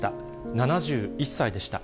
７１歳でした。